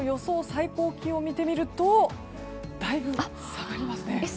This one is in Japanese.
最高気温を見てみるとだいぶ下がりますね。